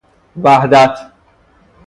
وحدت